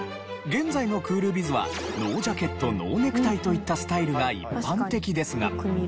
現在のクールビズはノージャケットノーネクタイといったスタイルが一般的ですが。